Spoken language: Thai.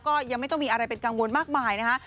ก็ยังไม่ต้องมีอะไรเป็นกังวลมากมายนะคะ